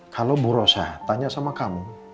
kalau bu rosa tanya sama kamu